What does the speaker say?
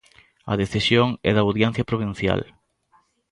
A decisión é da Audiencia Provincial.